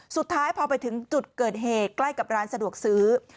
สุดท้ายพอไปถึงจุดเกิดเหตุใกล้กับร้านสะดวกซื้อ